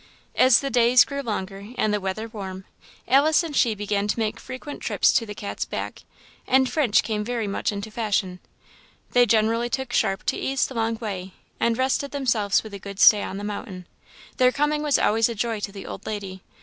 As the days grew long and the weather warm, Alice and she began to make frequent trips to the Cat's Back, and French came very much into fashion. They generally took Sharp to ease the long way, and rested themselves with a good stay on the mountain. Their coming was always a joy to the old lady.